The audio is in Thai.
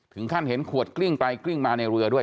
ถึงขั้นเห็นขวดกลิ้งไปกลิ้งมาในเรือด้วย